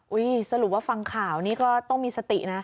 สรุปว่าฟังข่าวนี้ก็ต้องมีสตินะ